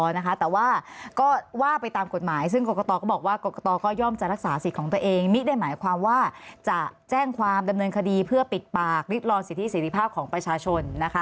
ในการวิภาควิจารณ์กรกฎ